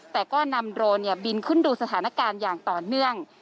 แต่ก็นำโรนบินขึ้นดูสถานการณ์อย่างต่อเนื่อง